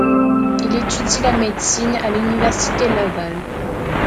Il étudie la médecine à l'université Laval.